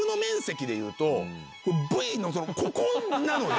ＶＴＲのここなので。